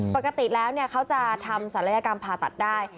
ปกติแล้วเขาจะทำศัลยกรรมผ่าตัดได้